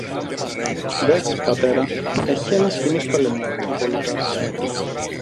Δες, Πατέρα, έχει ένα σκοινί στο λαιμό, είπε ο Λουκάς.